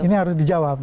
ini harus dijawab